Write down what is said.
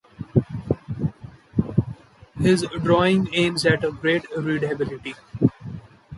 His drawing aims at a great readability.